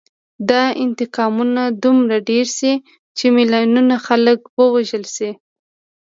دا انتقامونه دومره ډېر شي چې میلیونونه خلک ووژل شي